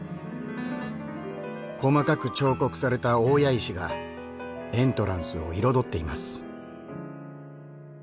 細かく彫刻された大谷石がエントランスを彩っています。